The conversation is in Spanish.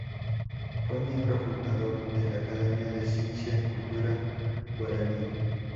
Fue miembro fundador de la Academia de Ciencia y Cultura Guaraní.